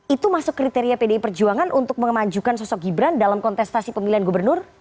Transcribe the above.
itu masuk kriteria pdi perjuangan untuk memajukan sosok gibran dalam kontestasi pemilihan gubernur